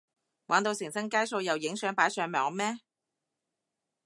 玩到成身街數又影相擺上網咩？